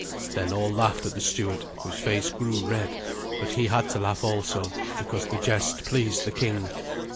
Then all laughed at the steward, whose face grew red; but he had to laugh also, because the jest pleased the king.